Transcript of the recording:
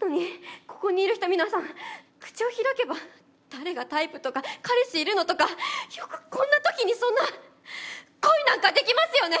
なのにここにいる人皆さん口を開けば誰がタイプとか彼氏いるの？とかよくこんなときにそんな恋なんかできますよね！